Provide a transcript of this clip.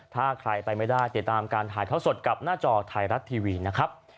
ถ้าใครไปไม่ได้ติดตามการถ่ายเท่าสดกับหน้าจอไทยรัฐทีวีนะครับ